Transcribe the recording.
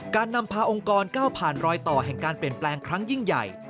นำพาองค์กรก้าวผ่านรอยต่อแห่งการเปลี่ยนแปลงครั้งยิ่งใหญ่